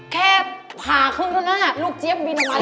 แค่ผาครึ่งข้างหน้าลูกเจ๊บมีน้ำมัน